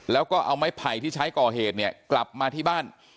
แล้วก็เอาไม้ไผ่ที่ใช้ก่อเหตุเนี่ยกลับมาที่บ้าน